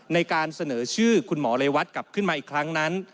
ในการเสนอชื่อคุณหมอเรวัตกลับขึ้นมาอีกครั้งนั้น